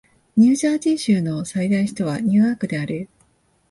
ニュージャージー州の最大都市はニューアークである